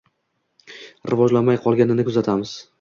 rivojlanmay qolganini kuzatamiz.